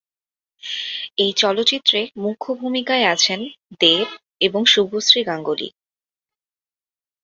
এই চলচ্চিত্রে মুখ্য ভূমিকায় আছেন দেব এবং শুভশ্রী গাঙ্গুলী।